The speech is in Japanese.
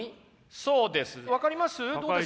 そうです。